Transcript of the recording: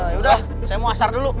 yaudah saya mau asar dulu